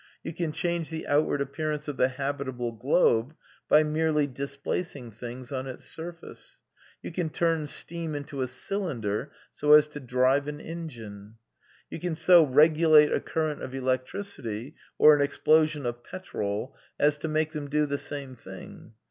You can change the outward appearance / of the habitable globe by merely displacing things on its*^ surface. You can turn steam into a cylinder so as to drive an engine. You can so regulate a current of electricity or an explosion of petrol as to make them do the same thing.